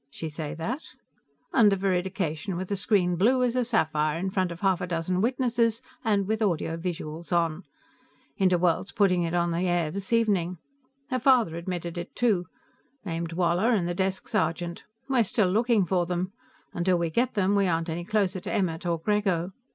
'" "She say that?" "Under veridication, with the screen blue as a sapphire, in front of half a dozen witnesses and with audiovisuals on. Interworld's putting it on the air this evening. Her father admitted it, too; named Woller and the desk sergeant. We're still looking for them; till we get them, we aren't any closer to Emmert or Grego.